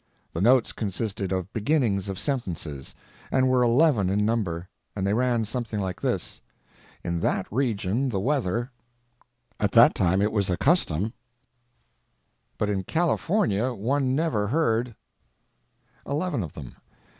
The notes consisted of beginnings of sentences, and were eleven in number, and they ran something like this: "In that region the weather—" "at that time it was a custom—" "but in california one never heard—" Eleven of them.